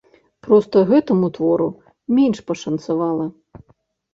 Проста, гэтаму твору менш пашанцавала.